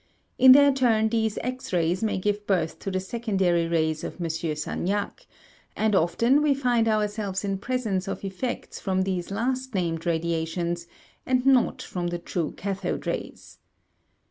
In their turn these X rays may give birth to the secondary rays of M. Sagnac; and often we find ourselves in presence of effects from these last named radiations and not from the true cathode rays.